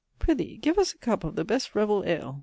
_ Prithee, give us a cup of the best revell ale.